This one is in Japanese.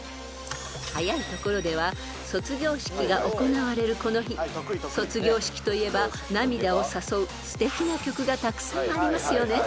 ［早いところでは卒業式が行われるこの日卒業式といえば涙を誘うすてきな曲がたくさんありますよね］